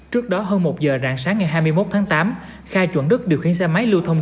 trước đó hơn một giờ rạng sáng ngày hai mươi một tháng tám kha chuẩn đức điều khiển xe máy lưu thông